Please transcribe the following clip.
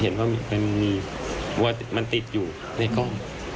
เห็นว่ามันติดอยู่ในกล้อง